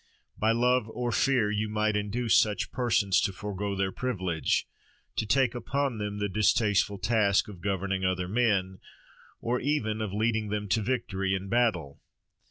By love or fear you might induce such persons to forgo their privilege; to take upon them the distasteful task of governing other men, or even of leading them to victory in battle.